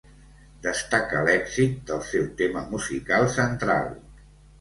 Destaca l'èxit del seu tema musical central.